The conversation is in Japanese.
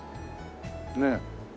ねえ。